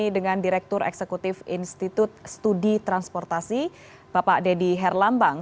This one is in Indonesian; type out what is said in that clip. dengan direktur eksekutif institut studi transportasi bapak deddy herlambang